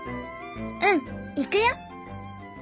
うんいくよ。